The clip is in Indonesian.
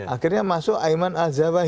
akhirnya masuk ayman al zawahiri